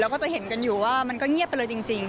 ก็จะเห็นกันอยู่ว่ามันก็เงียบไปเลยจริง